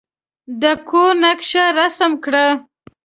د کور نقشه رسم کړئ.